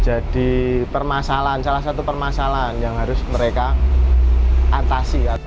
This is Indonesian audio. jadi permasalahan salah satu permasalahan yang harus mereka atasi